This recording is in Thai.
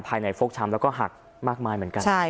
พระเจ้าอาวาสกันหน่อยนะครับ